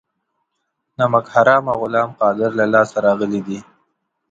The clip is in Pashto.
نمک حرامه غلام قادر له لاسه راغلي دي.